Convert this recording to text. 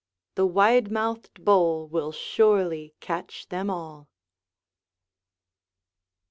The wide mouthed bowl will surely catch them all!